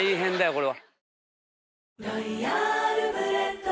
これは。